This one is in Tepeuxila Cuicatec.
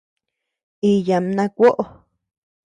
Íyaam na kuoʼo.